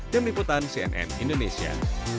demi putan cnn indonesia